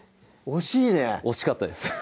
惜しいね惜しかったです